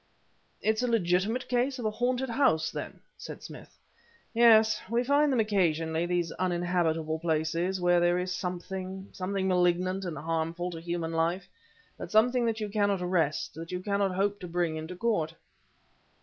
"It's a legitimate case of a haunted house, then?" said Smith. "Yes; we find them occasionally, these uninhabitable places, where there is something, something malignant and harmful to human life, but something that you cannot arrest, that you cannot hope to bring into court."